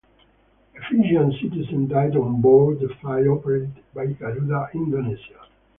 A Fijian citizen died on board the flight operated by Garuda Indonesia.